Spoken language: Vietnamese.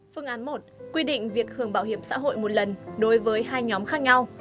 phương án một quy định việc hưởng bảo hiểm xã hội một lần đối với hai nhóm khác nhau